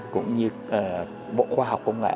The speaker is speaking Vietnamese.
cũng như bộ khoa học công nghệ